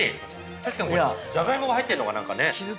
確かにこれ、じゃがいもが入っているのが、なんかね。